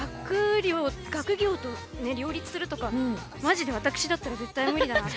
学業とね両立するとかマジでわたくしだったら絶対無理だなって。